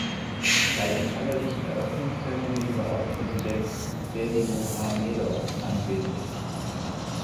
Bei der feierlichen Eröffnungszeremonie war auch Präsident Berdimuhamedow anwesend.